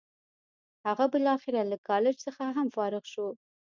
هغه بالاخره له کالج څخه هم فارغ شو.